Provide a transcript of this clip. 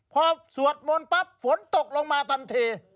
พอสวดมนต์ปั๊บฝนตกลงมาทันที